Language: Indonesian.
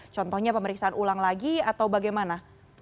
contohnya pemeriksaan ulang lagi atau bagaimana